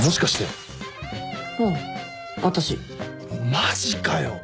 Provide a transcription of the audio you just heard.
マジかよ。